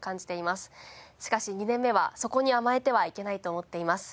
しかし２年目はそこに甘えてはいけないと思っています。